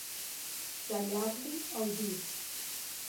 Tallar-li el dir.